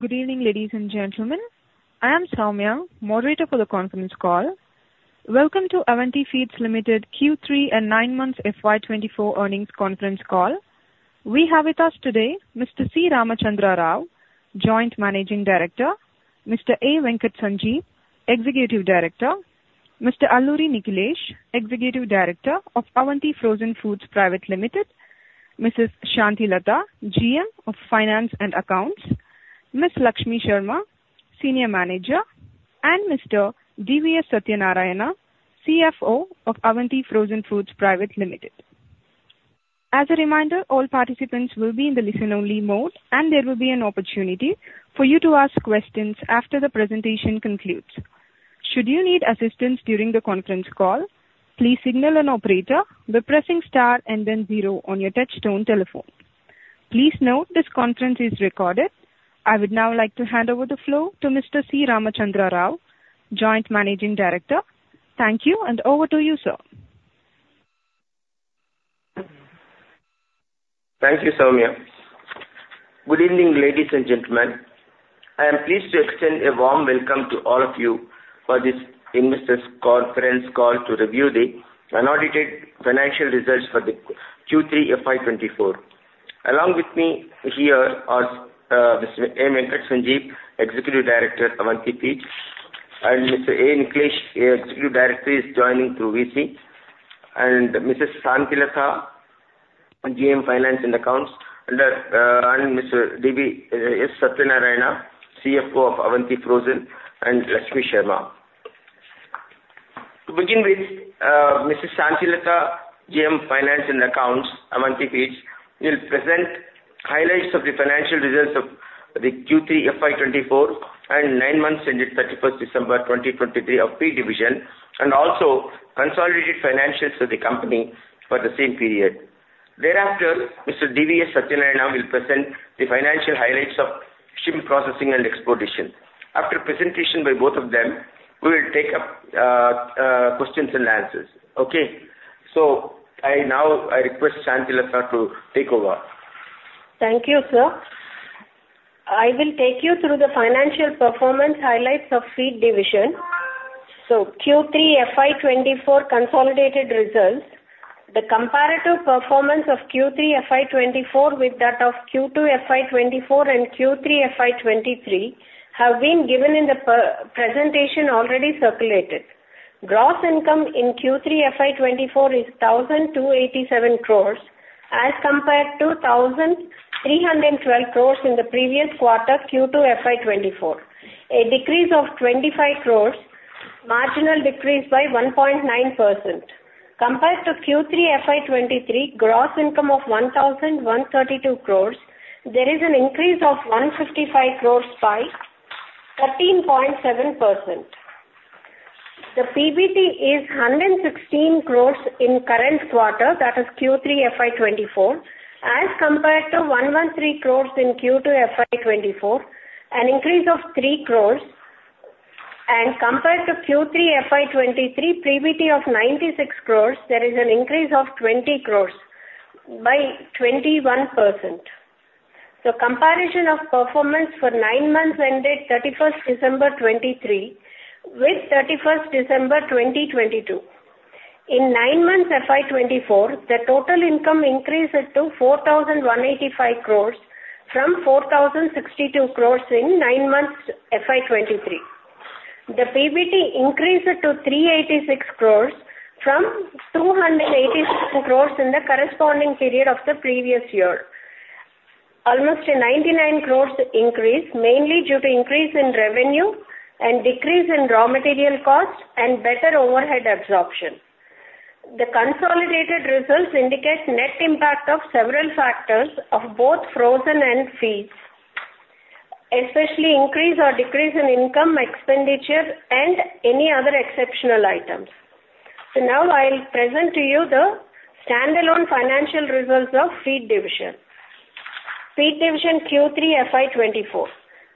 Good evening, ladies and gentlemen. I am Soumya, moderator for the conference call. Welcome to Avanti Feeds Limited Q3 and September FY 2024 Earnings Conference Call. We have with us today Mr. C Ramachandra Rao, Joint Managing Director, Mr. A. Venkat Sanjeev, Executive Director, Mr. Alluri Nikhilesh, Executive Director of Avanti Frozen Foods Private Limited, Mrs. B. Santhi Latha, GM of Finance and Accounts, Ms. Lakshmi Sharma, Senior Manager, and Mr. D.V.S. Satyanarayana, CFO of Avanti Frozen Foods Private Limited. As a reminder, all participants will be in the listen-only mode, and there will be an opportunity for you to ask questions after the presentation concludes. Should you need assistance during the conference call, please signal an operator by pressing star and then zero on your touchtone telephone. Please note, this conference is recorded. I would now like to hand over the floor to Mr. C. Ramachandra Rao, Joint Managing Director. Thank you, and over to you, sir. Thank you, Soumya. Good evening, ladies and gentlemen. I am pleased to extend a warm welcome to all of you for this investors call, conference call, to review the unaudited financial results for the Q3 FY 2024. Along with me here are Mr. A. Venkat Sanjeev, Executive Director, Avanti Feeds, and Mr. Alluri Nikhilesh, Executive Director, is joining through VC, and Mrs. C. Santhilatha, GM, Finance and Accounts, and Mr. D.V.S. Satyanarayana, CFO of Avanti Frozen, and Lakshmi Sharma. To begin with, Mrs. C. Santhilatha, GM, Finance and Accounts, Avanti Feeds, will present highlights of the financial results of the Q3 FY 2024 and September ended 31 December 2023 of Feed division, and also consolidated financials of the company for the same period. Thereafter, Mr. D.V.S. Satyanarayana will present the financial highlights of shrimp processing and exportation. After presentation by both of them, we will take up questions-and-answers. Okay, so I now, I request Santhilatha to take over. Thank you, sir. I will take you through the financial performance highlights of Feed division. Q3 FY 2024 Consolidated Results. The comparative performance of Q3 FY 2024 with that of Q2 FY 2024 and Q3 FY 2023 have been given in the presentation already circulated. Gross income in Q3 FY 2024 is 1,287 crores, as compared to 1,312 crores in the previous quarter, Q2 FY 2024, a decrease of 25 crores, marginal decrease by 1.9%. Compared to Q3 FY 2023, gross income of INR 1,132 crores, there is an increase of INR 155 crores by 13.7%. The PBT is 116 crores in current quarter, that is Q3 FY 2024, as compared to 113 crores in Q2 FY 2024, an increase of 3 crores. Compared to Q3 FY 2023, PBT of 96 crore, there is an increase of 20 crore by 21%. Comparison of performance for September ended 31 December 2023, with 31 December 2022. In September FY 2024, the total income increased to 4,185 crore from 4,062 crore in September FY 2023. The PBT increased to 386 crore from 286 crore in the corresponding period of the previous year. Almost an 99 crore increase, mainly due to increase in revenue and decrease in raw material costs and better overhead absorption. The consolidated results indicate net impact of several factors of both frozen and feeds, especially increase or decrease in income, expenditures, and any other exceptional items. Now I'll present to you the standalone financial results of Feed division. Feed division Q3 FY 2024.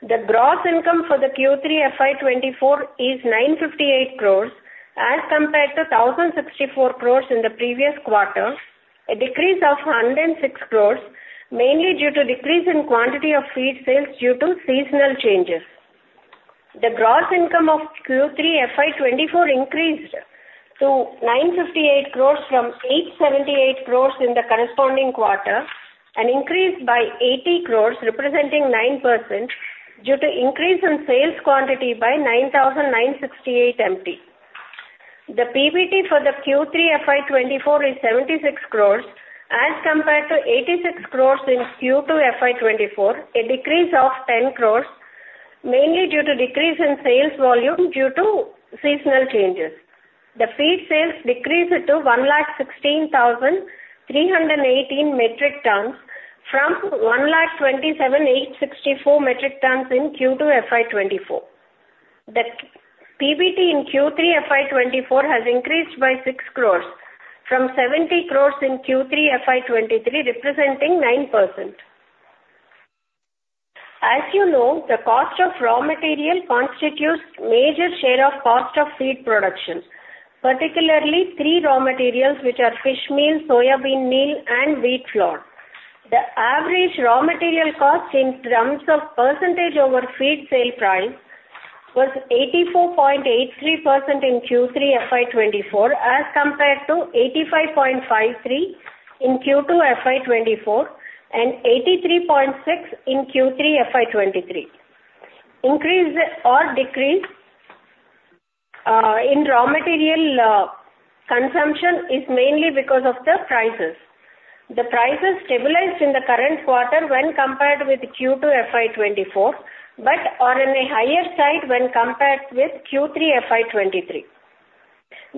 The gross income for the Q3 FY 2024 is 958 crore, as compared to 1,064 crore in the previous quarter, a decrease of 106 crore, mainly due to decrease in quantity of feed sales due to seasonal changes. The gross income of Q3 FY 2024 increased to 958 crore from 878 crore in the corresponding quarter, an increase by 80 crore, representing 9%, due to increase in sales quantity by 9,968 MT. The PBT for the Q3 FY 2024 is 76 crore, as compared to 86 crore in Q2 FY 2024, a decrease of 10 crore, mainly due to decrease in sales volume due to seasonal changes. The feed sales decreased to 116,318 metric tons from 127,864 metric tons in Q2 FY 2024. The PBT in Q3 FY 2024 has increased by 6 crore from 70 crore in Q3 FY 2023, representing 9%. As you know, the cost of raw material constitutes major share of cost of feed production, particularly three raw materials, which are fish meal, soybean meal, and wheat flour. The average raw material cost in terms of percentage over feed sale price was 84.83% in Q3 FY 2024, as compared to 85.53% in Q2 FY 2024, and 83.6% in Q3 FY 2023. Increase or decrease in raw material consumption is mainly because of the prices. The prices stabilized in the current quarter when compared with Q2 FY 2024, but are in a higher side when compared with Q3 FY 2023.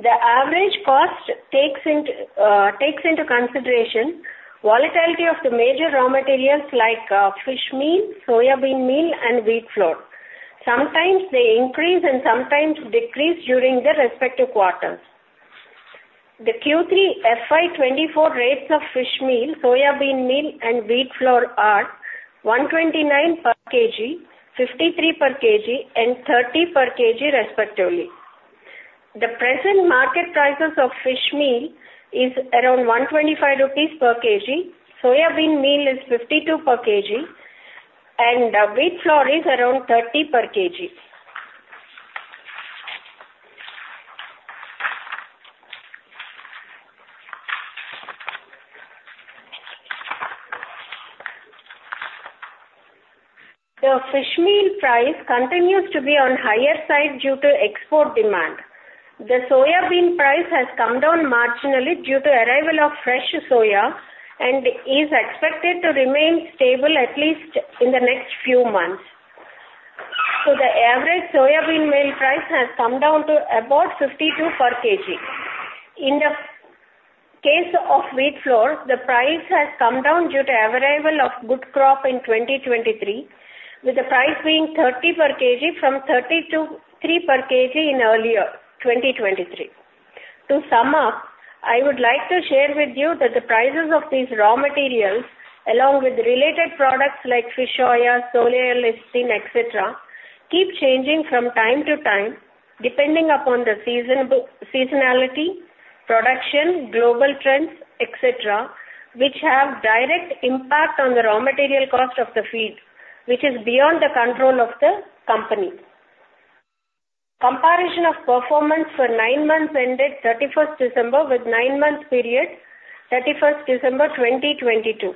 The average cost takes into consideration volatility of the major raw materials like fish meal, soya bean meal, and wheat flour. Sometimes they increase and sometimes decrease during the respective quarters. The Q3 FY 2024 rates of fish meal, soya bean meal, and wheat flour are 129 per kg, 53 per kg, and 30 per kg, respectively. The present market prices of fish meal is around 125 rupees per kg, soya bean meal is 52 per kg, and wheat flour is around 30 per kg. The fish meal price continues to be on higher side due to export demand. The soya bean price has come down marginally due to arrival of fresh soya, and is expected to remain stable at least in the next few months. So the average soya bean meal price has come down to about 52 per kg. In the case of wheat flour, the price has come down due to arrival of good crop in 2023, with the price being 30 per kg from 32.3 per kg in earlier 2023. To sum up, I would like to share with you that the prices of these raw materials, along with related products like fish oil, soya lecithin, et cetera, keep changing from time to time, depending upon the seasonality, production, global trends, et cetera, which have direct impact on the raw material cost of the feed, which is beyond the control of the company. Comparison of performance for September ended 31 December with nine-month period, 31 December 2022.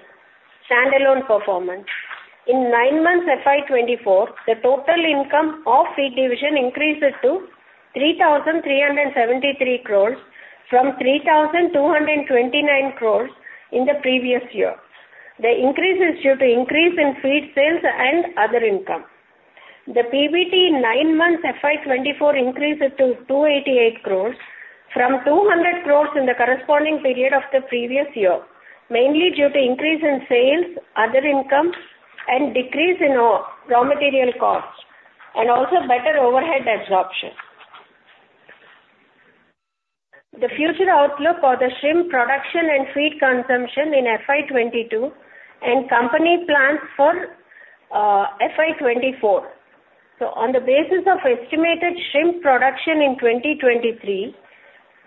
Standalone performance. In September, FY 2024, the total income of feed division increased to 3,373 crore, from 3,229 crore in the previous year. The increase is due to increase in feed sales and other income. The PBT September FY 2024 increased to 288 crores, from 200 crores in the corresponding period of the previous year, mainly due to increase in sales, other income, and decrease in raw material costs, and also better overhead absorption. The future outlook for the shrimp production and feed consumption in FY 2022, and company plans for FY 2024. So on the basis of estimated shrimp production in 2023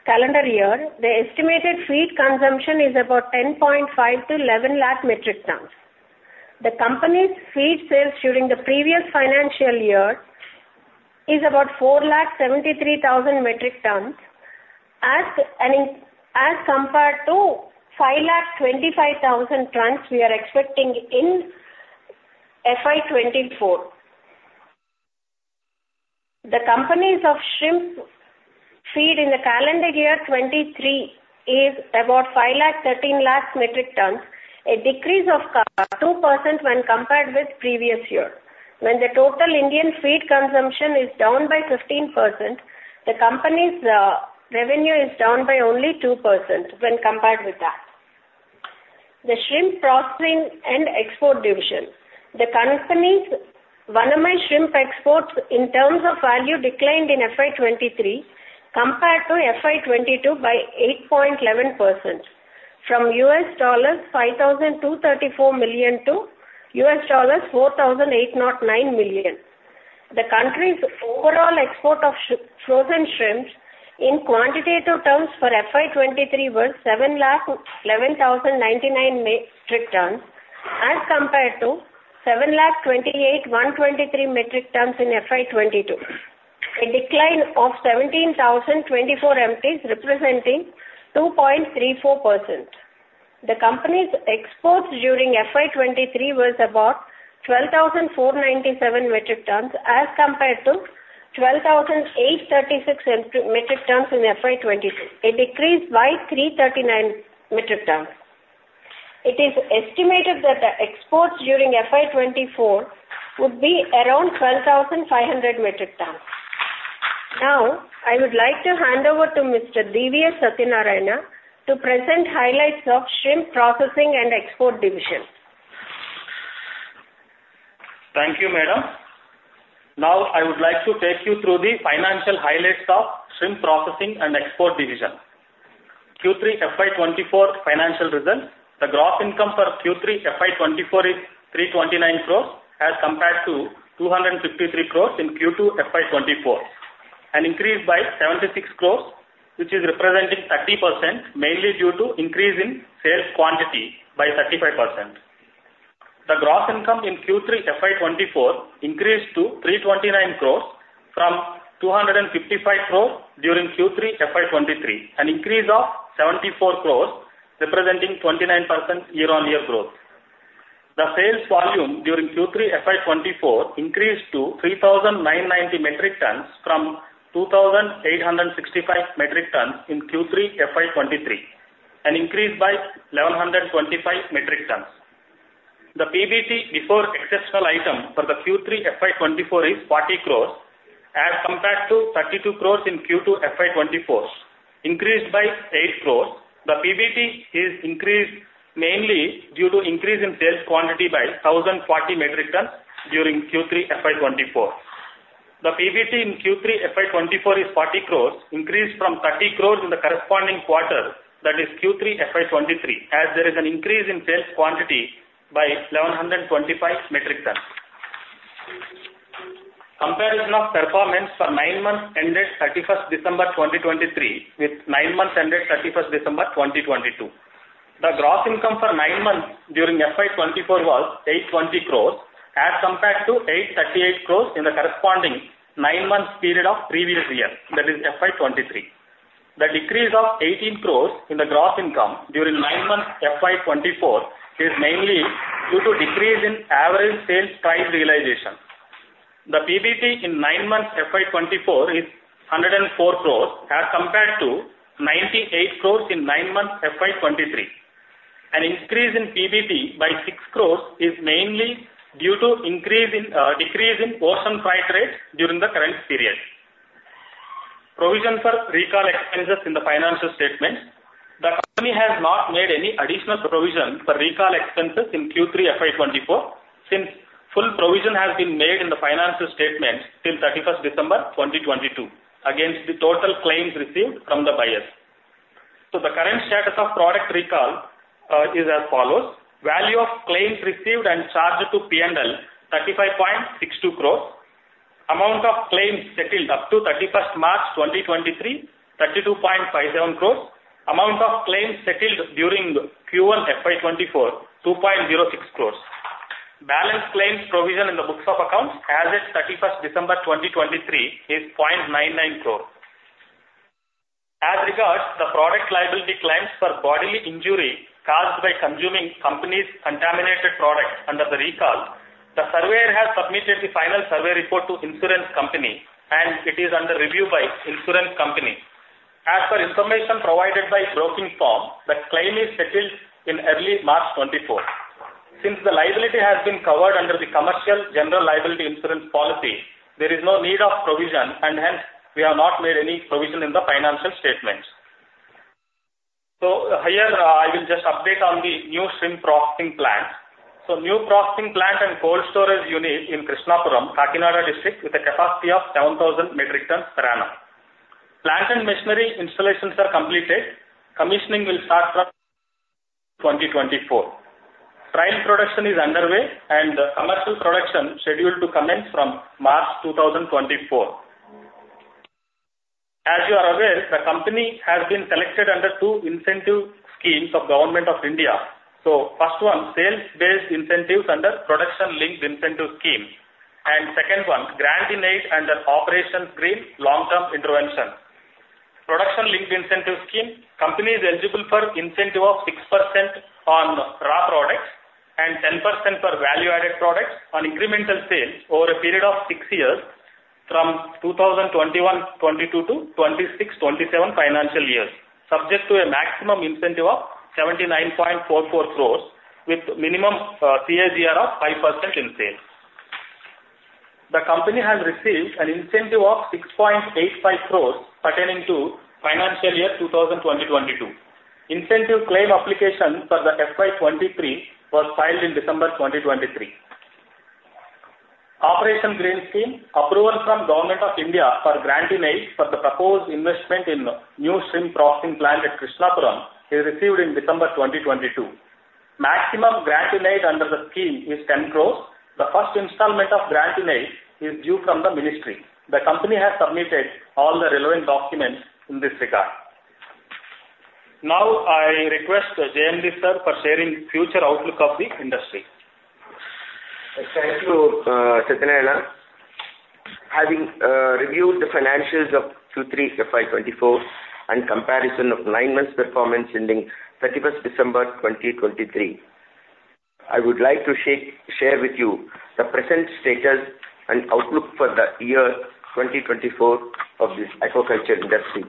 calendar year, the estimated feed consumption is about 10.5-11 lakh metric tons. The company's feed sales during the previous financial year is about 473,000 metric tons, as compared to 525,000 tons we are expecting in FY 2024. The consumption of shrimp feed in the calendar year 2023 is about 5.13 lakh metric tons, a decrease of 2% when compared with previous year. When the total Indian feed consumption is down by 15%, the company's revenue is down by only 2% when compared with that. The shrimp processing and export division. The company's Vannamei shrimp exports in terms of value declined in FY 2023 compared to FY 2022 by 8.11%, from $5,234 million to $4,809 million. The country's overall export of frozen shrimps in quantitative terms for FY 2023 were 7 lakh 11,099 metric tons, as compared to 7 lakh 28,123 metric tons in FY 2022, a decline of 17,024 MTs, representing 2.34%. The company's exports during FY 2023 was about 12,497 metric tons, as compared to 12,836 metric tons in FY 2022, a decrease by 339 metric tons. It is estimated that the exports during FY 2024 would be around 12,500 metric tons. Now, I would like to hand over to Mr. D.V.S. Satyanarayana to present highlights of shrimp processing and export division. Thank you, madam. Now, I would like to take you through the financial highlights of shrimp processing and export division. Q3 FY 2024 financial results, the gross income for Q3 FY 2024 is 329 crore, as compared to 253 crore in Q2 FY 2024, an increase by 76 crore, which is representing 30%, mainly due to increase in sales quantity by 35%. The gross income in Q3 FY 2024 increased to 329 crore from 255 crore during Q3 FY 2023, an increase of 74 crore, representing 29% year-on-year growth. The sales volume during Q3 FY 2024 increased to 3,090 metric tons from 2,865 metric tons in Q3 FY 2023, an increase by 1,125 metric tons. The PBT before exceptional item for the Q3 FY 2024 is 40 crores, as compared to 32 crores in Q2 FY 2024, increased by 8 crores. The PBT is increased mainly due to increase in sales quantity by 1,040 metric tons during Q3 FY 2024. The PBT in Q3 FY 2024 is 40 crores, increased from 30 crores in the corresponding quarter, that is Q3 FY 2023, as there is an increase in sales quantity by 1,125 metric tons. Comparison of performance for September ended 31 December 2023, with September ended 31 December 2022. The gross income for September during FY 2024 was 820 crores, as compared to 838 crores in the corresponding September period of previous year, that is FY 2023. The decrease of 18 crores in the gross income during nine months FY 2024 is mainly due to decrease in average sales price realization. The PBT in nine months FY 2024 is 104 crores, as compared to 98 crores in nine months FY 2023. An increase in PBT by 6 crores is mainly due to decrease in purchase price rates during the current period. Provision for recall expenses in the financial statements. The company has not made any additional provision for recall expenses in Q3 FY 2024, since full provision has been made in the financial statements till 31st December 2022, against the total claims received from the buyers. So the current status of product recall is as follows: Value of claims received and charged to P&L, 35.62 crores. Amount of claims settled up to 31st March 2023, 32.57 crores. Amount of claims settled during Q1 FY 2024, 2.06 crores. Balance claims provision in the books of accounts as at 31st December 2023 is 0.99 crores. As regards the product liability claims for bodily injury caused by consuming company's contaminated products under the recall, the surveyor has submitted the final survey report to insurance company, and it is under review by insurance company. As for information provided by broking firm, the claim is settled in early March 2024. Since the liability has been covered under the Commercial General Liability insurance policy, there is no need of provision, and hence, we have not made any provision in the financial statements. So here, I will just update on the new shrimp processing plant. New processing plant and cold storage unit in Krishnapuram, Kakinada District, with a capacity of 7,000 metric tons per annum. Plant and machinery installations are completed. Commissioning will start from 2024. Trial production is underway and commercial production scheduled to commence from March 2024. As you are aware, the company has been selected under two incentive schemes of Government of India. First one, sales-based incentives under Production-Linked Incentive Scheme, and second one, grant-in-aid under Operation Green Long-Term Intervention. Production-Linked Incentive Scheme, company is eligible for incentive of 6% on raw products and 10% for value-added products on incremental sales over a period of six years from 2021-22 to 2026-27 financial years, subject to a maximum incentive of 79.44 crore, with minimum CAGR of 5% in sales. The company has received an incentive of 6.85 crore pertaining to financial year 2020-2022. Incentive claim application for the FY 2023 was filed in December 2023. Operation Green Scheme, approval from Government of India for grant-in-aid for the proposed investment in new shrimp processing plant at Krishnapuram is received in December 2022. Maximum grant-in-aid under the scheme is 10 crore. The first installment of grant-in-aid is due from the ministry. The company has submitted all the relevant documents in this regard. Now, I request JMD sir for sharing future outlook of the industry. Thank you, Satyanarayana. Having reviewed the financials of Q3 FY 2024 and comparison of September performance ending 31 December 2023, I would like to share with you the present status and outlook for the year 2024 of this aquaculture industry.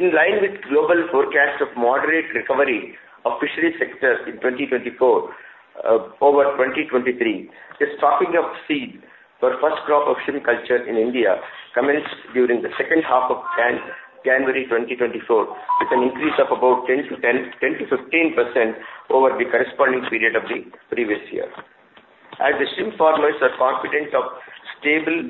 In line with global forecast of moderate recovery of fishery sectors in 2024, over 2023, the stocking of seed for first crop of shrimp culture in India commenced during the second half of January 2024, with an increase of about 10%-15% over the corresponding period of the previous year. As the shrimp farmers are confident of stable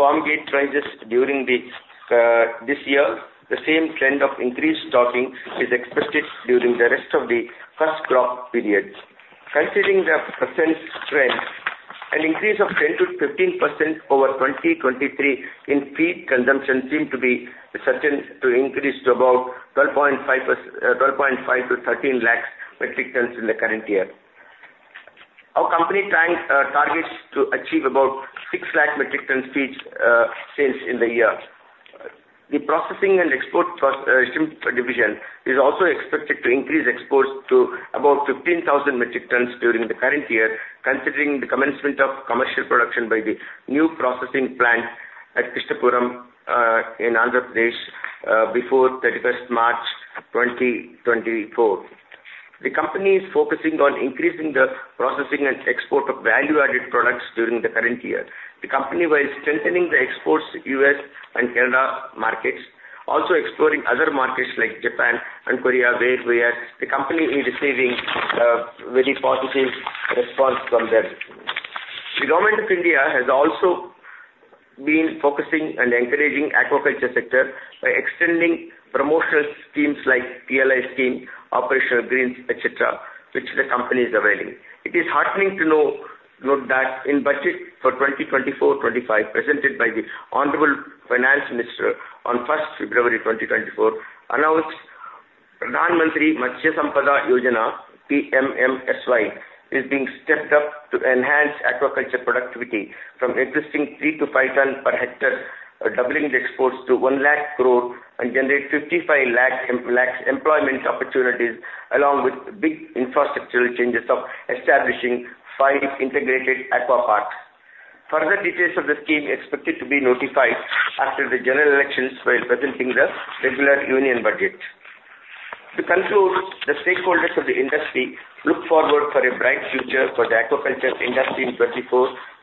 farm gate prices during this year, the same trend of increased stocking is expected during the rest of the first crop period. Considering the present trend, an increase of 10%-15% over 2023 in feed consumption seem to be certain to increase to about 12.5 to 13 lakh metric tons in the current year. Our company plans, targets to achieve about 6 lakh metric ton feeds, sales in the year. The processing and export for shrimp division is also expected to increase exports to about 15,000 metric tons during the current year, considering the commencement of commercial production by the new processing plant at Krishnapuram in Andhra Pradesh before 31st March 2024. The company is focusing on increasing the processing and export of value-added products during the current year. The company, while strengthening the exports U.S. and Canada markets, also exploring other markets like Japan and Korea, where the company is receiving very positive response from them. The government of India has also been focusing and encouraging aquaculture sector by extending promotional schemes like PLI scheme, Operation Greens, etc., which the company is availing. It is heartening to note that in budget for 2024-2025, presented by the Honorable Finance Minister on first February 2024, announced Pradhan Mantri Matsya Sampada Yojana, PMMSY, is being stepped up to enhance aquaculture productivity from existing 3-5 ton per hectare, doubling the exports to 100,000 crore and generate 5,500,000 employment opportunities, along with big infrastructural changes of establishing 5 integrated aqua parks. Further details of the scheme expected to be notified after the general elections, while presenting the regular Union Budget. To conclude, the stakeholders of the industry look forward for a bright future for the aquaculture industry in 2024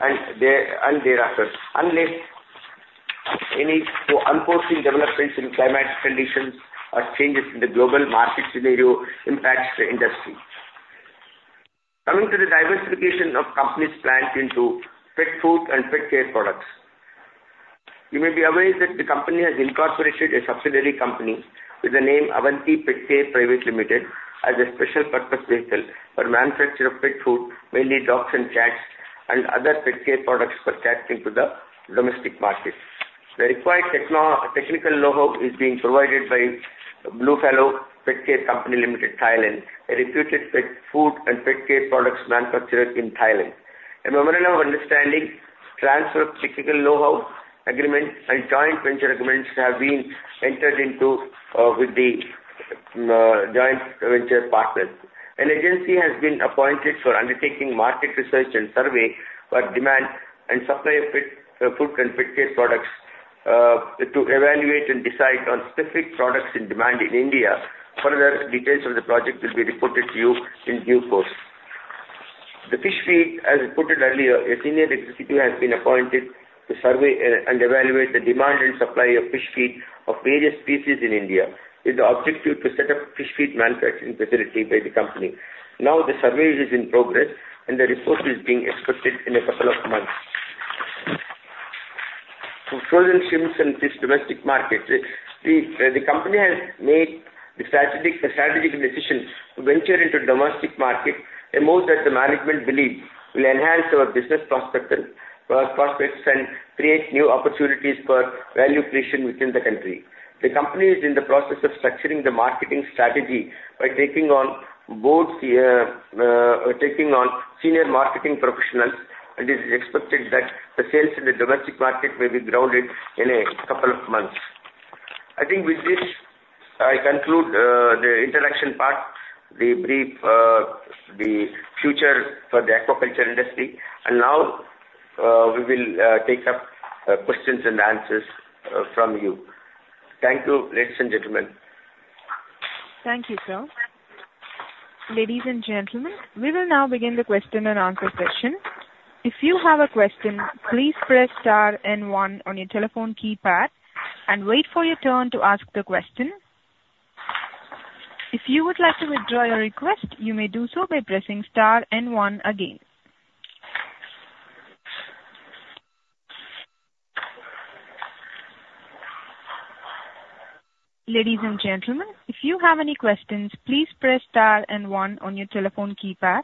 and thereafter, unless any unforeseen developments in climatic conditions or changes in the global market scenario impacts the industry. Coming to the diversification of company's plans into pet food and pet care products. You may be aware that the company has incorporated a subsidiary company with the name Avanti Pet Care Private Limited, as a special purpose vehicle for manufacture of pet food, mainly dogs and cats, and other pet care products for catering to the domestic market. The required technical know-how is being provided by Bluefalo Company Limited, Thailand, a reputed pet food and pet care products manufacturer in Thailand. A memorandum of understanding, transfer of technical know-how, agreement and joint venture agreements have been entered into with the joint venture partners. An agency has been appointed for undertaking market research and survey for demand and supply of pet food and pet care products to evaluate and decide on specific products in demand in India. Further details of the project will be reported to you in due course. The fish feed, as reported earlier, a senior executive has been appointed to survey and evaluate the demand and supply of fish feed of various species in India, with the objective to set up fish feed manufacturing facility by the company. Now, the survey is in progress, and the report is being expected in a couple of months. For frozen shrimps in this domestic market, the company has made the strategic decision to venture into domestic market, a move that the management believes will enhance our business prospects and create new opportunities for value creation within the country. The company is in the process of structuring the marketing strategy by taking on board taking on senior marketing professionals, and it is expected that the sales in the domestic market may be grounded in a couple of months. I think with this, I conclude the introduction part, the brief, the future for the aquaculture industry, and now, we will take up questions-and-answers from you. Thank you, ladies and gentlemen. Thank you, sir. Ladies and gentlemen, we will now begin the question-and-answer session. If you have a question, please press star and one on your telephone keypad and wait for your turn to ask the question. If you would like to withdraw your request, you may do so by pressing star and one again. Ladies and gentlemen, if you have any questions, please press star and one on your telephone keypad.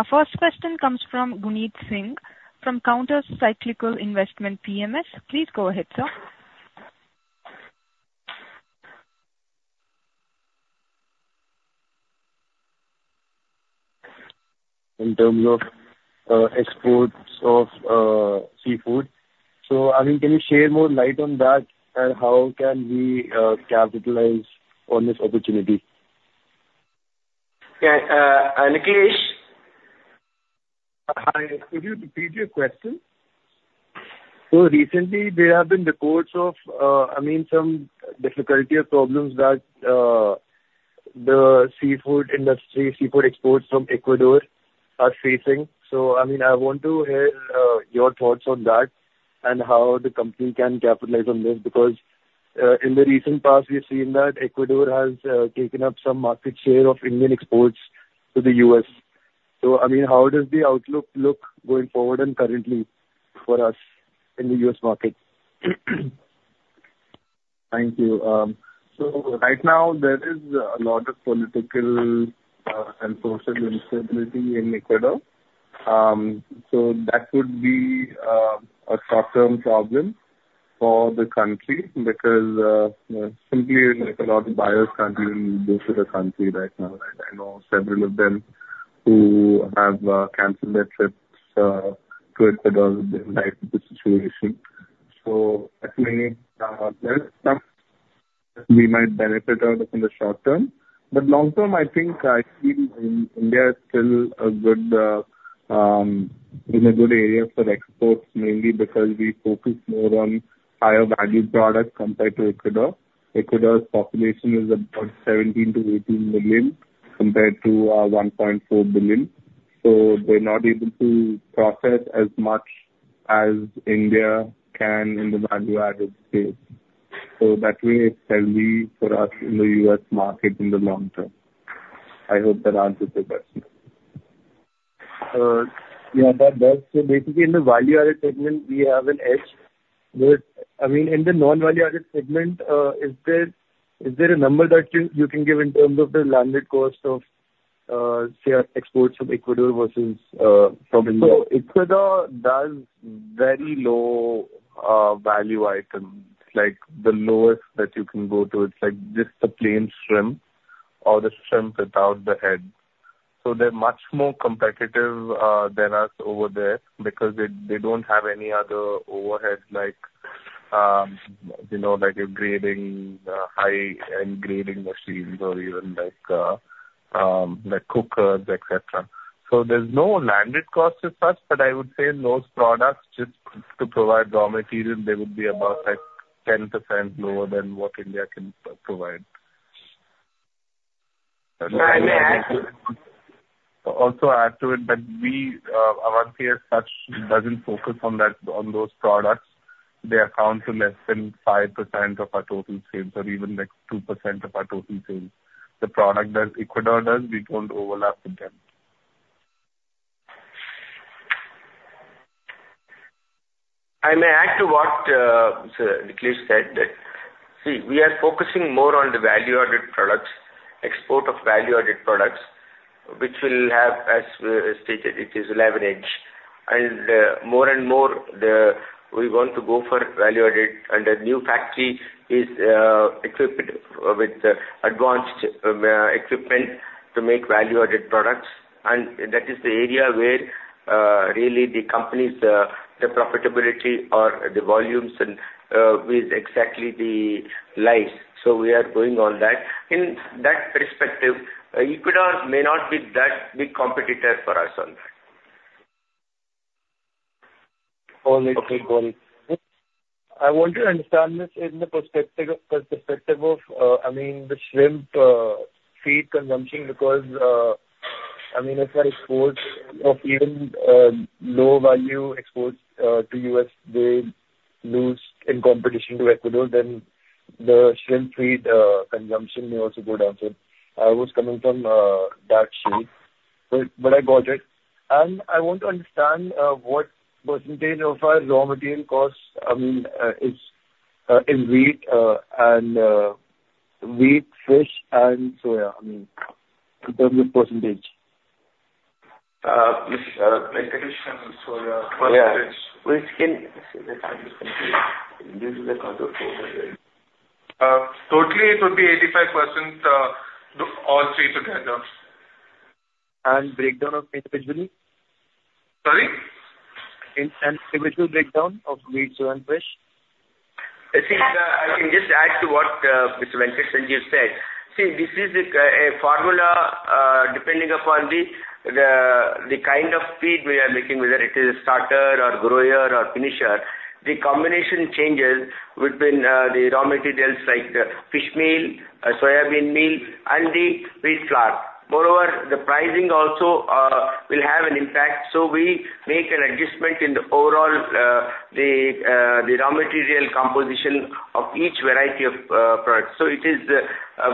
Our first question comes from Gunit Singh, from Counter Cyclical Investments. Please go ahead, sir. In terms of exports of seafood. So, I mean, can you share more light on that? And how can we capitalize on this opportunity? Yeah, Nikhilesh? Hi, could you repeat your question? So recently there have been reports of, I mean, some difficulty or problems that the seafood industry, seafood exports from Ecuador are facing. So, I mean, I want to hear your thoughts on that and how the company can capitalize on this. Because, in the recent past, we've seen that Ecuador has taken up some market share of Indian exports to the U.S. So, I mean, how does the outlook look going forward and currently for us in the U.S. market? Thank you. So right now there is a lot of political, and social instability in Ecuador. So that could be a short-term problem for the country because simply, like, a lot of buyers can't even go to the country right now. I know several of them who have canceled their trips to Ecuador in light of the situation. So that may, there's some we might benefit out of in the short term, but long term, I think, India is still a good, in a good area for exports, mainly because we focus more on higher value products compared to Ecuador. Ecuador's population is about 17-18 million, compared to 1.4 billion. So they're not able to process as much as India can in the value-added space. That way it's healthy for us in the U.S. market in the long term. I hope that answers your question. Yeah, that does. So basically, in the value-added segment, we have an edge, but I mean, in the non-value-added segment, is there a number that you can give in terms of the landed cost of, say, exports from Ecuador versus from India? So Ecuador does very low value items, like the lowest that you can go to. It's like just the plain shrimp or the shrimp without the head. So they're much more competitive than us over there because they don't have any other overhead, like you know, like a grading high-end grading machines or even like like cookers, et cetera. So there's no landed cost as such, but I would say those products, just to provide raw material, they would be about like 10% lower than what India can provide. I may add to it Also add to it that we, Avanti as such, doesn't focus on that, on those products. They account to less than 5% of our total sales, or even like 2% of our total sales. The product that Ecuador does, we don't overlap with them. I may add to what, sir, Nikhil said, that, see, we are focusing more on the value-added products, export of value-added products, which will have, as stated, it is leverage. And, more and more, we want to go for value-added, and the new factory is equipped with advanced equipment to make value-added products. And that is the area where, really the company's, the profitability or the volumes and, where exactly the lies. So we are going on that. In that perspective, Ecuador may not be that big competitor for us on that. Okay, got it. I want to understand this in the perspective of, I mean, the shrimp feed consumption, because, I mean, if our exports of even low value exports to the U.S., they lose in competition to Ecuador, then the shrimp feed consumption may also go down. I was coming from that sheet, but I got it. I want to understand what percentage of our raw material costs is in wheat, fish, and soya, I mean, in terms of percentage. Mr. Venkat Sanjeev Soya Yeah. Which can totally it would be 85%, the all three together. And breakdown of individually? Sorry. In an individual breakdown of wheat, soya, and fish. See, I can just add to what Mr. Venkat Sanjeev just said. See, this is a formula depending upon the kind of feed we are making, whether it is starter or grower or finisher. The combination changes between the raw materials like the fish meal, soya bean meal, and the wheat flour. Moreover, the pricing also will have an impact, so we make an adjustment in the overall the raw material composition of each variety of product. So it is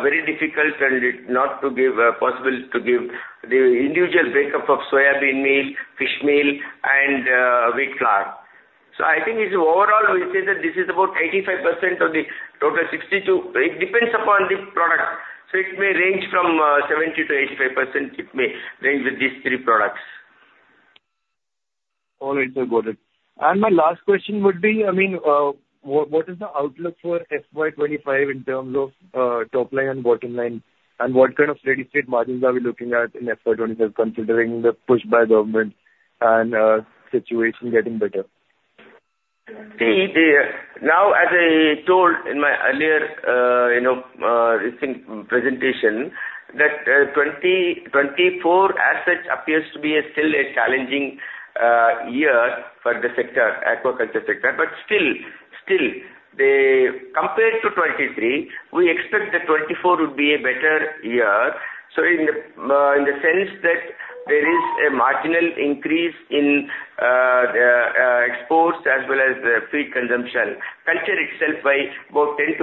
very difficult and not possible to give the individual breakup of soya bean meal, fish meal and wheat flour. So I think it's overall, we say that this is about 85% of the total 62. It depends upon the product. So it may range from 70%-85%, it may range with these three products. All right, sir. Got it. And my last question would be, I mean, what is the outlook for FY 2025 in terms of, top line and bottom line? And what kind of ready state margins are we looking at in FY 2025, considering the push by government and, situation getting better? Now, as I told in my earlier, you know, I think, presentation, that 2024 as such appears to be still a challenging year for the sector, aquaculture sector, but still the compared to 2023, we expect that 2024 would be a better year. So in the sense that there is a marginal increase in the exports as well as the feed consumption, culture itself by about 10%-15%.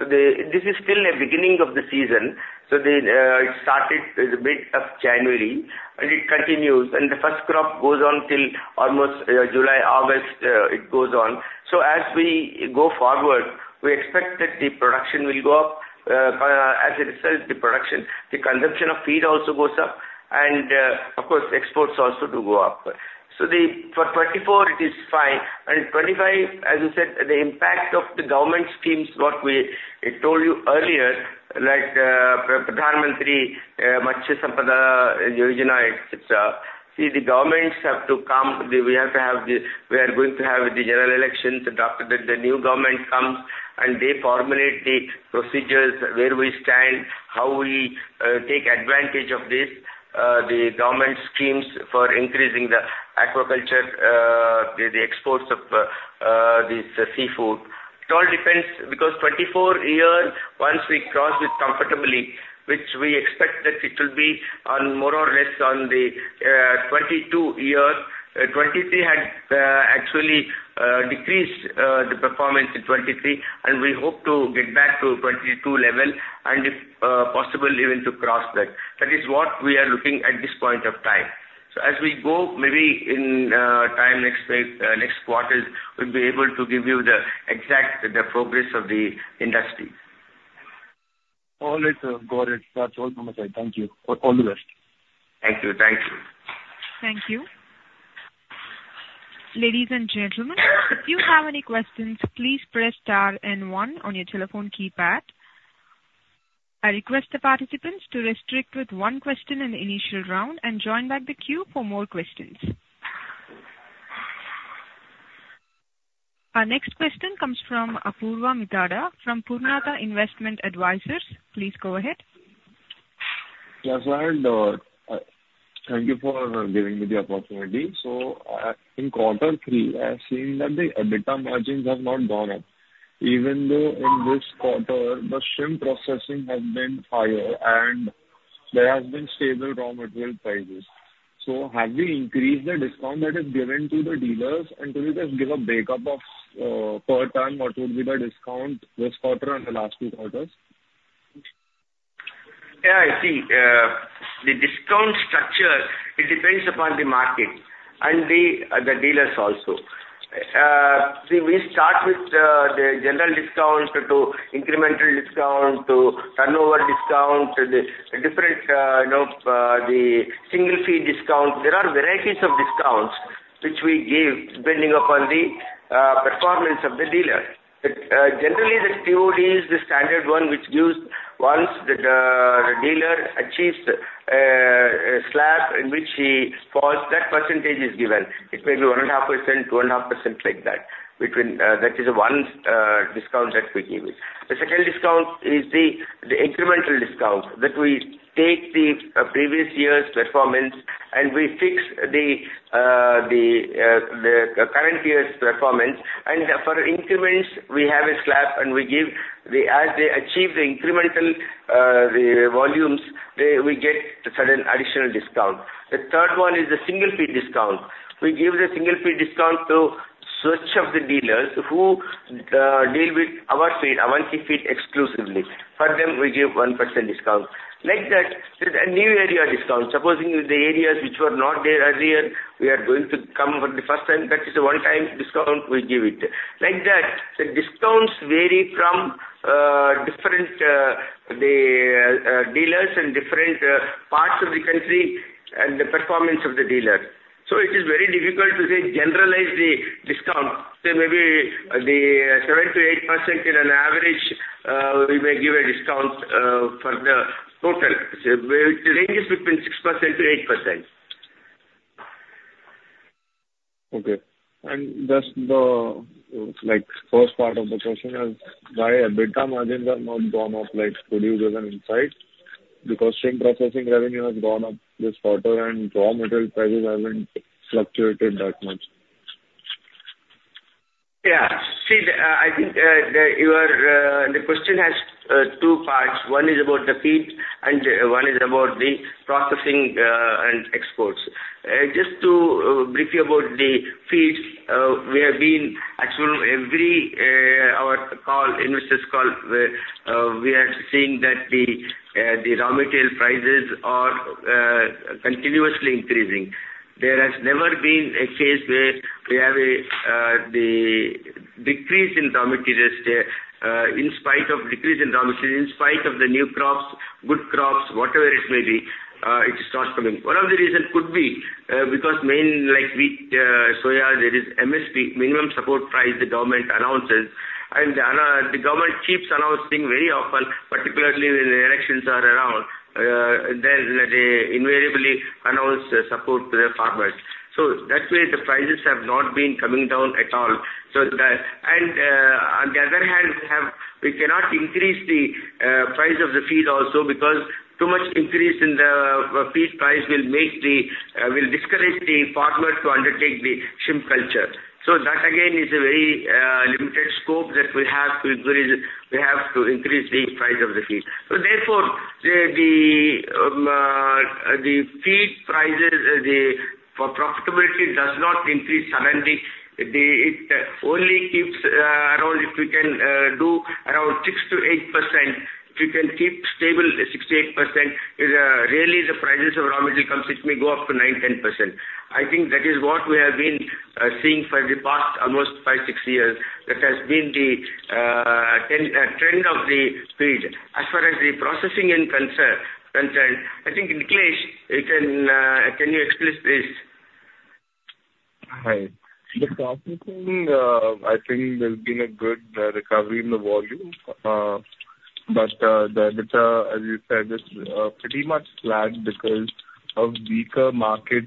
So this is still a beginning of the season, so it started the mid of January, and it continues, and the first crop goes on till almost July, August, it goes on. So as we go forward, we expect that the production will go up. As a result, the production, the consumption of feed also goes up, and, of course, exports also do go up. So, for 2024 it is fine, and in 2025, as I said, the impact of the government schemes, what we, I told you earlier, like, Pradhan Mantri Matsya Sampada Yojana, etc. See, the governments have to come. We have to have the we are going to have the general elections, after the new government comes, and they formulate the procedures, where we stand, how we take advantage of this, the government schemes for increasing the aquaculture, the exports of this seafood. It all depends, because 2024 year, once we cross it comfortably, which we expect that it will be on more or less on the 2022 year. 2023 had actually decreased the performance in 2023, and we hope to get back to 2022 level, and if possible, even to cross that. That is what we are looking at this point of time. So as we go, maybe in time, next week, next quarter, we'll be able to give you the exact, the progress of the industry. All right, sir. Got it. That's all from my side. Thank you. All, all the best. Thank you. Thank you. Thank you. Ladies and gentlemen, if you have any questions, please press star and one on your telephone keypad. I request the participants to restrict with one question in the initial round and join back the queue for more questions. Our next question comes from Apurva Mehta from Purnartha Investment Advisers. Please go ahead. Yes, and thank you for giving me the opportunity. So, in quarter three, I have seen that the EBITDA margins have not gone up, even though in this quarter, the shrimp processing has been higher and there has been stable raw material prices. So have we increased the discount that is given to the dealers? And could you just give a breakdown of per ton, what would be the discount this quarter and the last two quarters? Yeah, I see. The discount structure, it depends upon the market and the dealers also. We start with the general discount to incremental discount, to turnover discount, to the different, you know, the single feed discount. There are varieties of discounts which we give depending upon the performance of the dealer. But generally, the TOD is the standard one, which gives once the dealer achieves a slab in which he falls, that percentage is given. It may be 1.5%, 2.5%, like that between that is the one discount that we give it. The second discount is the incremental discount, that we take the previous year's performance and we fix the current year's performance. For increments, we have a slab, and we give the, as they achieve the incremental, the volumes, they- we get a certain additional discount. The third one is the single feed discount. We give the single feed discount to such of the dealers who deal with our feed, Avanti feed exclusively. For them, we give 1% discount. Like that, there's a new area discount. Supposing the areas which were not there earlier, we are going to come for the first time, that is a one-time discount we give it. Like that, the discounts vary from different, the dealers and different parts of the country and the performance of the dealer. So it is very difficult to say, generalize the discount. So maybe the 7%-8% in an average, we may give a discount for the total. It ranges between 6%-8%. Okay. And just the, like, first part of the question is, why EBITDA margins have not gone up, like, could you give an insight? Because shrimp processing revenue has gone up this quarter and raw material prices haven't fluctuated that much. Yeah. See, I think the question has two parts. One is about the feed and one is about the processing and exports. Just to briefly about the feeds, we have been actual every investor call, we are seeing that the raw material prices are continuously increasing. There has never been a case where we have a decrease in raw materials, in spite of decrease in raw materials, in spite of the new crops, good crops, whatever it may be, it starts coming. One of the reasons could be because main, like wheat, soya, there is MSP, minimum support price, the government announces. The government keeps announcing very often, particularly when the elections are around, then they invariably announce support to the farmers. So that way, the prices have not been coming down at all. So, on the other hand, we cannot increase the price of the feed also because too much increase in the feed price will make the will discourage the farmers to undertake the shrimp culture. So that again is a very limited scope that we have to increase, we have to increase the price of the feed. So therefore, the feed prices for profitability does not increase suddenly. It only keeps around if we can do around 6%-8%, we can keep stable at 6%-8%. Because really, the prices of raw material comes, it may go up to 9%-10%. I think that is what we have been seeing for the past almost five to six years. That has been the trend of the feed. As far as the processing is concerned, I think, Nikhilesh, you can explain this? Hi. The processing, I think there's been a good recovery in the volume. But, as you said, it's pretty much flat because of weaker market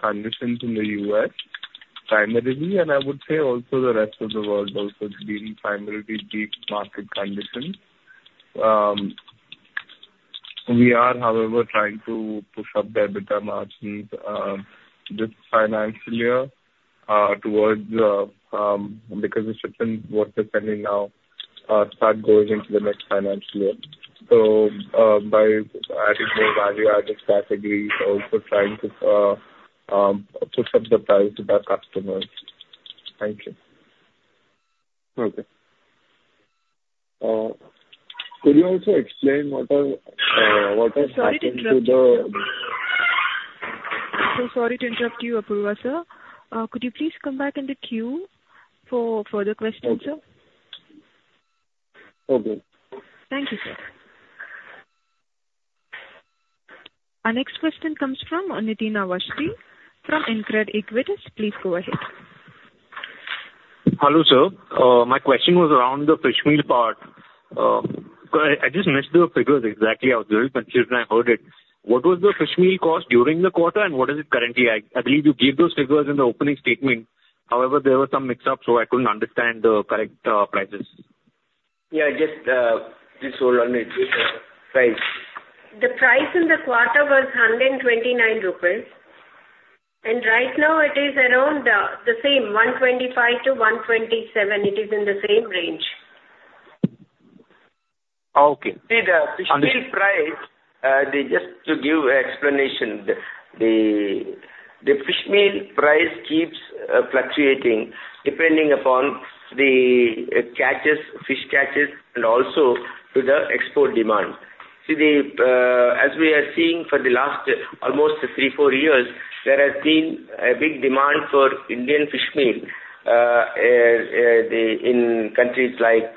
conditions in the U.S., primarily, and I would say also the rest of the world also is being primarily weak market conditions. We are, however, trying to push up the EBITDA margins this financial year towards because it's certain what we're spending now start going into the next financial year. So, by adding more value-added strategies, also trying to push up the price to the customers. Thank you. Okay. Could you also explain what has happened to the- So sorry to interrupt you, Apurva sir. Could you please come back in the queue for further questions, sir? Okay. Thank you, sir. Our next question comes from Nitin Awasthi from InCred Equities. Please go ahead. Hello, sir. My question was around the fish meal part. So I just missed the figures exactly. I was very confused when I heard it. What was the fish meal cost during the quarter, and what is it currently? I believe you gave those figures in the opening statement. However, there was some mix-up, so I couldn't understand the correct prices. Yeah, just please hold on, Nitin, price. The price in the quarter was 129 rupees, and right now it is around the same, 125-127. It is in the same range. Okay. See, the fish meal price, just to give explanation, the fish meal price keeps fluctuating depending upon the catches, fish catches, and also to the export demand. See the, as we are seeing for the last almost three to four years, there has been a big demand for Indian fish meal, the, in countries like,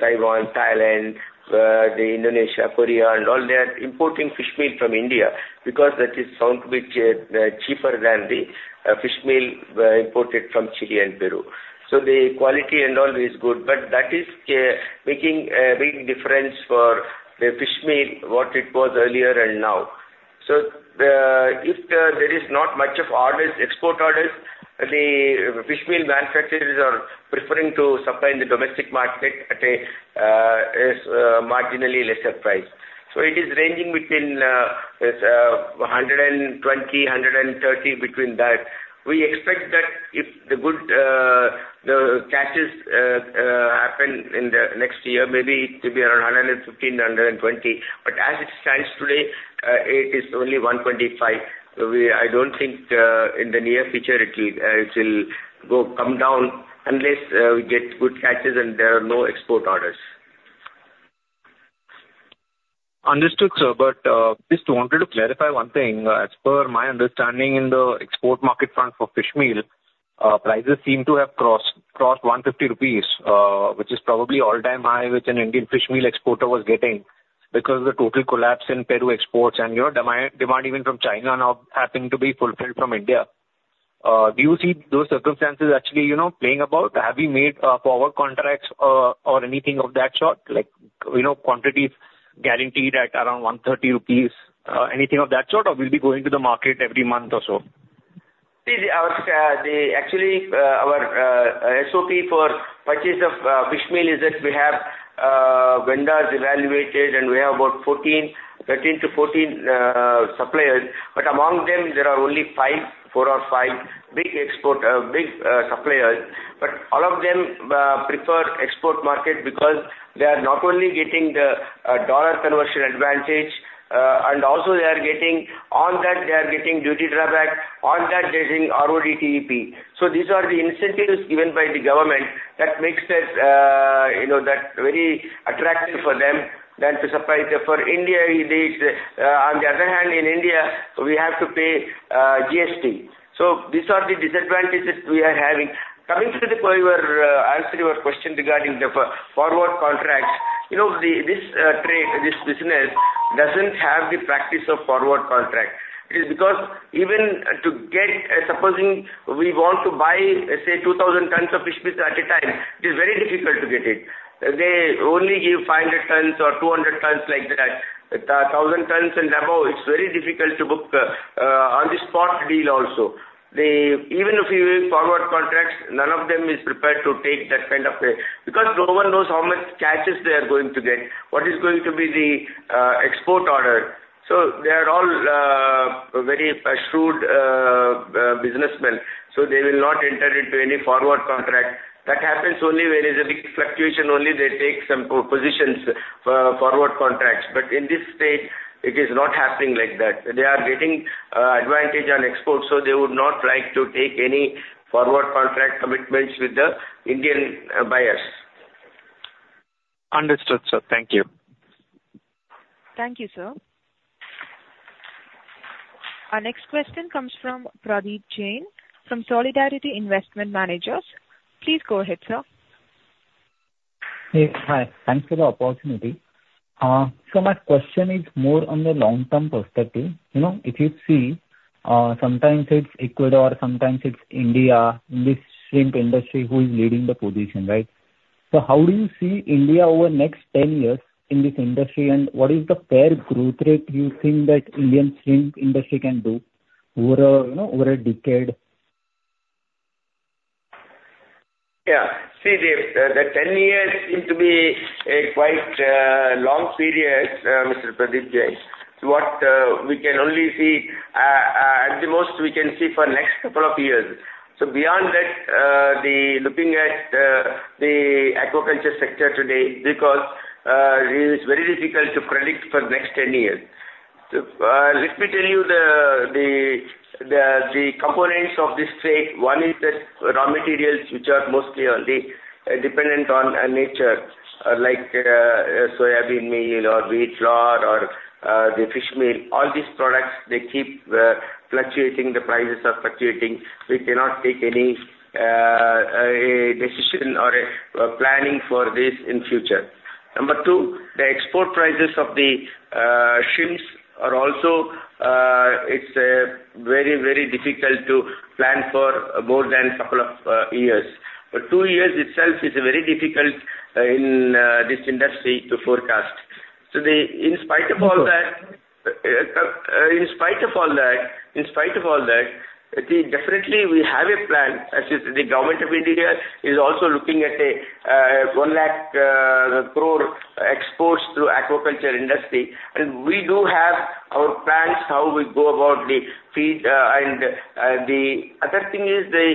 Taiwan, Thailand, the Indonesia, Korea and all, they are importing fish meal from India because that is found to be, cheaper than the, fish meal, imported from Chile and Peru. So the quality and all is good, but that is, making a big difference for the fish meal, what it was earlier and now. So, if there is not much of orders, export orders, the fish meal manufacturers are preferring to supply in the domestic market at a marginally lesser price. So it is ranging between $120 and $130. We expect that if the good, the catches happen in the next year, maybe it could be around $115-$120. But as it stands today, it is only $125. We I don't think in the near future it will go, come down unless we get good catches and there are no export orders. Understood, sir. But just wanted to clarify one thing. As per my understanding in the export market front for fish meal, prices seem to have crossed 150 rupees, which is probably all-time high, which an Indian fish meal exporter was getting, because of the total collapse in Peru exports and, you know, demand even from China now happening to be fulfilled from India. Do you see those circumstances actually, you know, playing about? Have you made forward contracts or anything of that sort? Like, you know, quantities guaranteed at around 130 rupees, anything of that sort, or we'll be going to the market every month or so? See, actually, our SOP for purchase of fish meal is that we have vendors evaluated, and we have about 14, 13 to 14 suppliers. But among them, there are only five, four or five big export suppliers. But all of them prefer export market because they are not only getting the dollar conversion advantage, and also they are getting. On that, they are getting duty drawback. On that, they are getting RoDTEP. So these are the incentives given by the government that makes that, you know, that very attractive for them than to supply for India. It is, on the other hand, in India, we have to pay GST. So these are the disadvantages we are having. Coming to the, your, answer your question regarding the forward contracts, you know, the, this, trade, this business doesn't have the practice of forward contract. It is because even to get, supposing we want to buy, let's say, 2,000 tons of fish meal at a time, it is very difficult to get it. They only give 500 tons or 200 tons like that. 1,000 tons and above, it's very difficult to book, on the spot deal also. Even if you use forward contracts, none of them is prepared to take that kind of a because no one knows how much catches they are going to get, what is going to be the, export order. So they are all, very shrewd, businessmen, so they will not enter into any forward contract. That happens only when there's a big fluctuation, only they take some positions for forward contracts, but in this state, it is not happening like that. They are getting advantage on exports, so they would not like to take any forward contract commitments with the Indian buyers. Understood, sir. Thank you. Thank you, sir. Our next question comes from Pratik Jain, from Solidarity Investment Managers. Please go ahead, sir. Hey. Hi. Thanks for the opportunity. So my question is more on the long-term perspective. You know, if you see, sometimes it's Ecuador, sometimes it's India, in this shrimp industry, who is leading the position, right? So how do you see India over the next 10 years in this industry, and what is the fair growth rate you think that Indian shrimp industry can do over a, you know, over a decade? Yeah. See, the 10 years seem to be a quite long period, Mr. Pratik Jain. So what we can only see, at the most, we can see for next couple of years. So beyond that, looking at the aquaculture sector today, because it is very difficult to predict for next 10 years. Let me tell you the components of this trade. One is the raw materials, which are mostly only dependent on nature, like soybean meal or wheat flour or the fish meal. All these products, they keep fluctuating, the prices are fluctuating. We cannot take any decision or planning for this in future. Number two, the export prices of the shrimps are also, it's very, very difficult to plan for more than couple of years. But two years itself is very difficult in this industry to forecast. So, in spite of all that- Sure. In spite of all that, in spite of all that, then definitely we have a plan, as the government of India is also looking at 100,000 crore exports through aquaculture industry. And we do have our plans, how we go about the feed. And, the other thing is the,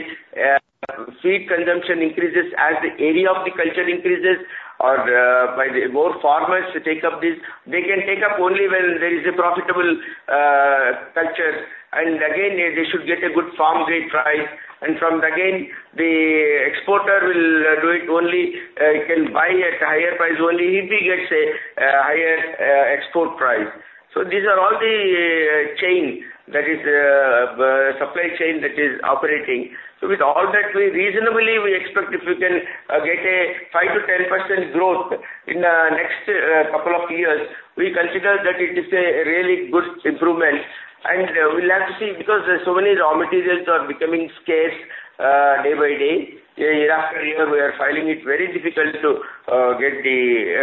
feed consumption increases as the area of the culture increases or, by the more farmers to take up this. They can take up only when there is a profitable, culture, and again, they should get a good farm gate price. And from again, the exporter will do it only, he can buy at a higher price only if he gets a, higher, export price. So these are all the, chain, that is, supply chain that is operating. So with all that, we reasonably expect, if you can get a 5%-10% growth in the next couple of years, we consider that it is a really good improvement, and we'll have to see, because so many raw materials are becoming scarce day by day. Year after year, we are finding it very difficult to get the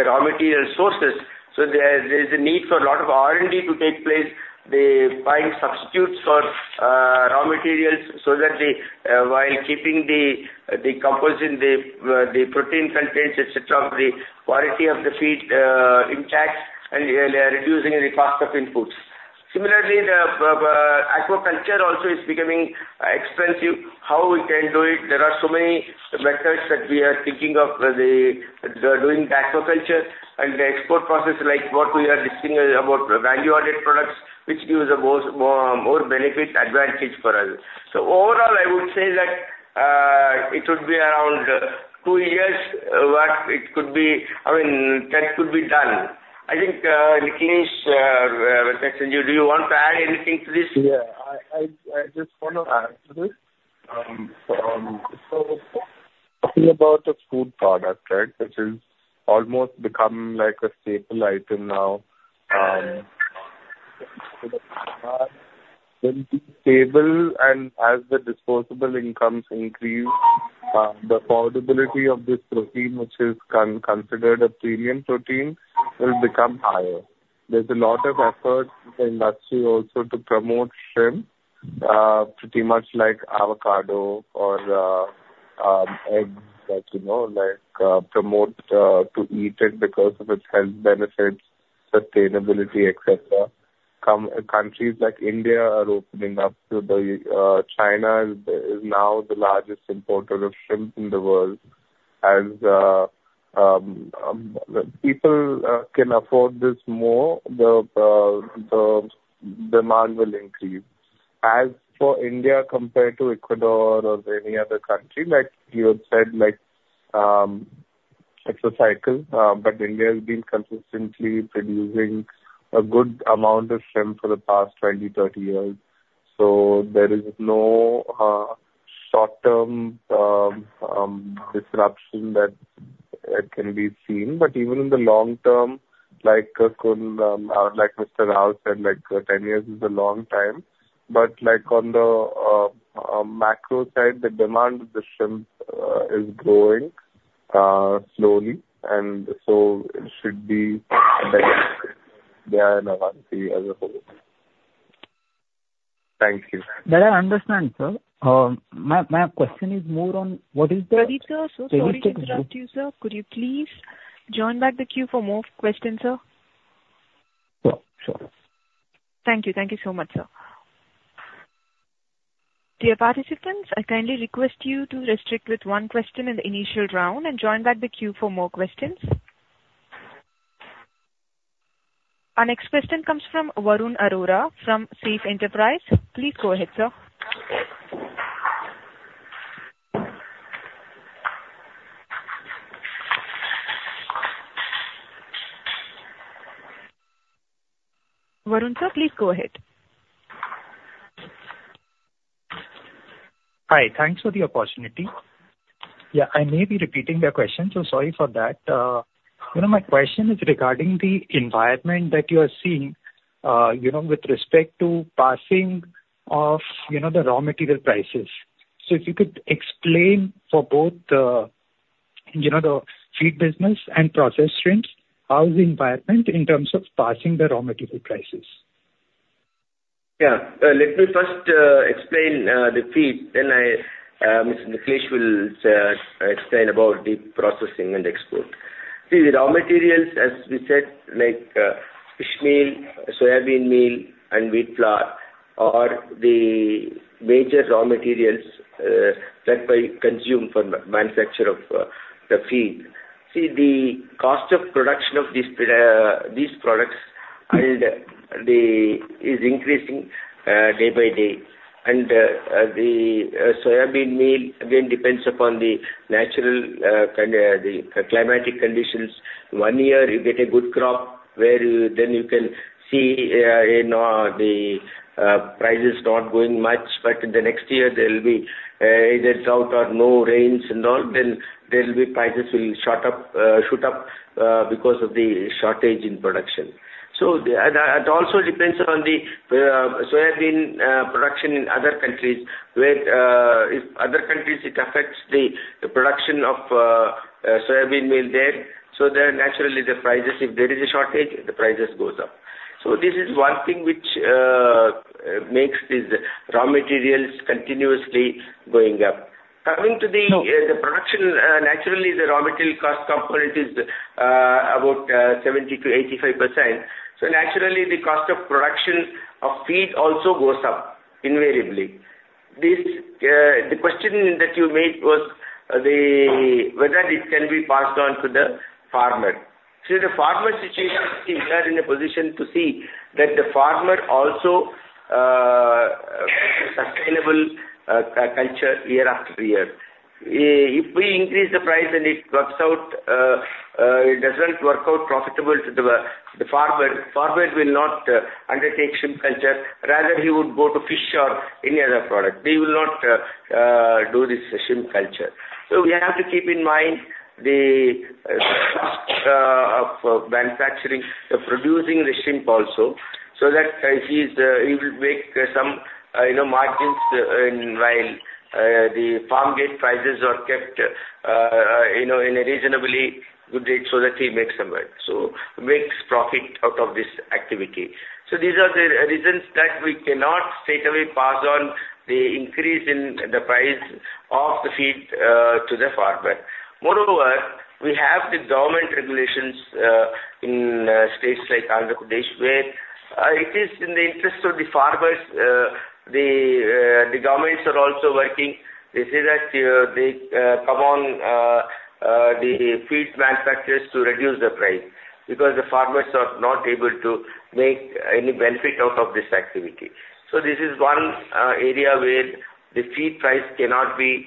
raw material sources, so there's a need for a lot of R&D to take place. To find substitutes for raw materials so that while keeping the composition, the protein content, et cetera, the quality of the feed intact and reducing the cost of inputs. Similarly, the aquaculture also is becoming expensive. How we can do it? There are so many methods that we are thinking of the doing the aquaculture and the export process, like what we are discussing about value-added products, which gives the most, more, more benefit advantage for us. So overall, I would say that, it would be around two years, what it could be—I mean, that could be done. I think, Nikhilesh, do you want to add anything to this? Yeah. I just want to add to this. So talking about a food product, right? Which has almost become like a staple item now, stable and as the disposable incomes increase, the affordability of this protein, which is considered a premium protein, will become higher. There's a lot of effort in the industry also to promote shrimp, pretty much like avocado or, eggs, that, you know, like, promote to eat it because of its health benefits, sustainability, et cetera. Countries like India are opening up to the, China is now the largest importer of shrimp in the world. As people can afford this more, the demand will increase. As for India, compared to Ecuador or any other country, like you had said, like, it's a cycle, but India has been consistently producing a good amount of shrimp for the past 20, 30 years, so there is no short-term disruption that-... it can be seen, but even in the long term, like, like Mr. Rao said, like, 10 years is a long time, but like on the macro side, the demand of the shrimp is growing slowly, and so it should be there in Avanti as a whole. Thank you. That I understand, sir. My question is more on what is the- Pratik, sir, so sorry to interrupt you, sir. Could you please join back the queue for more questions, sir? Sure, sure. Thank you. Thank you so much, sir. Dear participants, I kindly request you to restrict with one question in the initial round and join back the queue for more questions. Our next question comes from Varun Arora from Safe Enterprises. Please go ahead, sir. Varun, sir, please go ahead. Hi, thanks for the opportunity. Yeah, I may be repeating the question, so sorry for that. You know, my question is regarding the environment that you are seeing, you know, with respect to passing of, you know, the raw material prices. So if you could explain for both the, you know, the feed business and processed shrimps, how is the environment in terms of passing the raw material prices? Yeah. Let me first explain the feed, then Mr. Nikhilesh will explain about the processing and export. See, the raw materials, as we said, like fish meal, soybean meal, and wheat flour, are the major raw materials that I consume for manufacture of the feed. See, the cost of production of these products and the is increasing day by day. The soybean meal, again, depends upon the natural, the climatic conditions. One year you get a good crop where you, then you can see, you know, the prices not going much, but in the next year there will be either drought or no rains and all, then there will be prices will shoot up because of the shortage in production. So, and also depends on the soybean production in other countries, where if other countries it affects the production of soybean meal there, so then naturally, the prices, if there is a shortage, the prices goes up. So this is one thing which makes these raw materials continuously going up. Coming to the production, naturally, the raw material cost component is about 70%-85%. So naturally, the cost of production of feed also goes up, invariably. This, the question that you made was, whether it can be passed on to the farmer. See, the farmer situation, we are in a position to see that the farmer also sustainable culture year after year. If we increase the price and it works out, it doesn't work out profitable to the farmer, the farmer will not undertake shrimp culture. Rather, he would go to fish or any other product. They will not do this shrimp culture. So we have to keep in mind the cost of manufacturing, producing the shrimp also, so that he will make some, you know, margins, in while the farm gate prices are kept, you know, in a reasonably good rate so that he makes some money, so makes profit out of this activity. So these are the reasons that we cannot straightaway pass on the increase in the price of the feed to the farmer. Moreover, we have the government regulations in states like Andhra Pradesh, where it is in the interest of the farmers, the governments are also working. They say that they come on the feed manufacturers to reduce the price, because the farmers are not able to make any benefit out of this activity. So this is one area where the feed price cannot be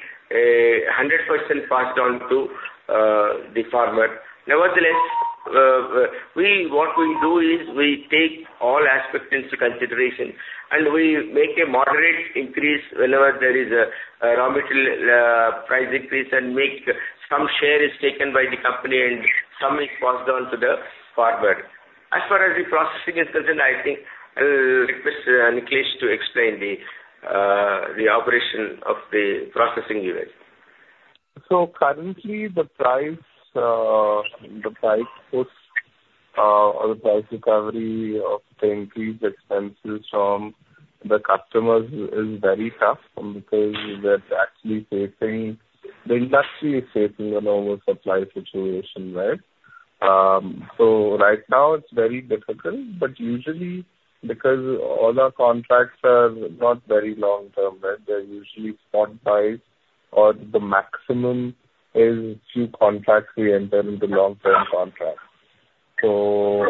hundred percent passed on to the farmer. Nevertheless, what we do is we take all aspects into consideration, and we make a moderate increase whenever there is a raw material price increase, and make some share is taken by the company and some is passed on to the farmer. As far as the processing is concerned, I think I'll request Nikhilesh to explain the operation of the processing unit. So currently, the price, the price puts, or the price recovery of the increased expenses from the customers is very tough, because we're actually facing, the industry is facing an oversupply situation, right? So right now it's very difficult, but usually, because all our contracts are not very long term, right? They're usually spot buys, or the maximum is two contracts we enter in the long-term contract. So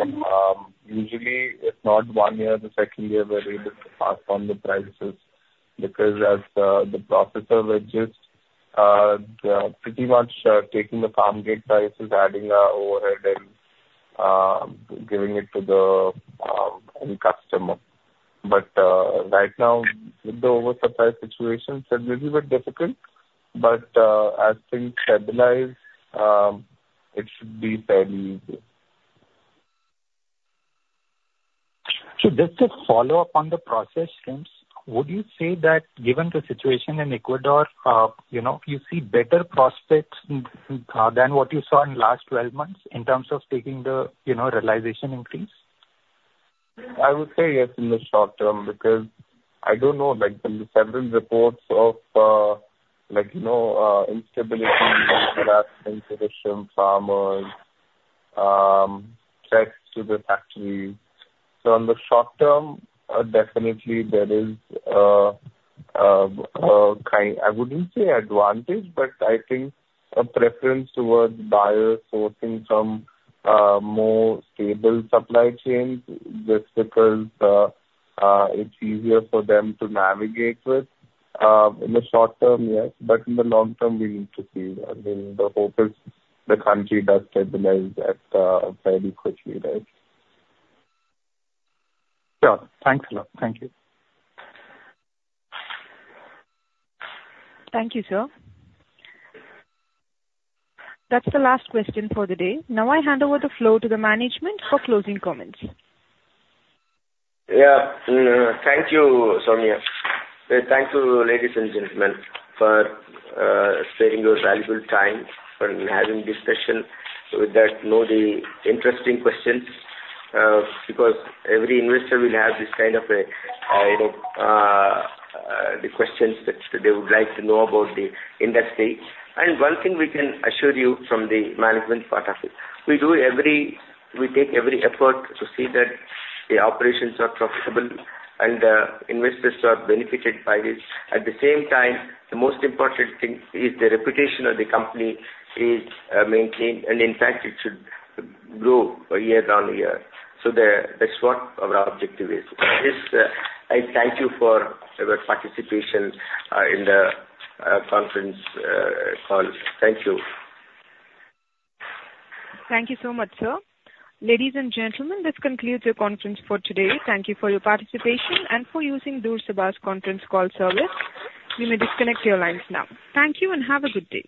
usually if not one year, the second year, we're able to pass on the prices, because as the processor, which is pretty much taking the farm gate prices, adding our overhead and giving it to the customer. But right now, with the oversupply situation, it's a little bit difficult, but I think stabilized, it should be fairly good. So just to follow up on the process, changes, would you say that given the situation in Ecuador, you know, you see better prospects than what you saw in last 12 months in terms of taking the, you know, realization increase? I would say yes, in the short term, because I don't know, like the several reports of, like, you know, instability, inefficient farmers, threats to the factories. So in the short term, definitely there is, kind-- I wouldn't say advantage, but I think a preference towards buyers sourcing from, more stable supply chains, just because, it's easier for them to navigate with. In the short term, yes, but in the long term, we need to see. I mean, the hope is the country does stabilize at very quickly, right? Sure. Thanks a lot. Thank you. Thank you, sir. That's the last question for the day. Now, I hand over the floor to the management for closing comments. Yeah. Thank you, Soumya. Thank you, ladies and gentlemen, for spending your valuable time for having discussion with us on the interesting questions, because every investor will have this kind of a, you know, the questions that they would like to know about the industry. One thing we can assure you from the management part of it, we take every effort to see that the operations are profitable and investors are benefited by this. At the same time, the most important thing is the reputation of the company is maintained, and in fact, it should grow year on year. So that's what our objective is. This, I thank you for your participation in the conference call. Thank you. Thank you so much, sir. Ladies and gentlemen, this concludes your conference for today. Thank you for your participation and for using Dolat's conference call service. You may disconnect your lines now. Thank you, and have a good day.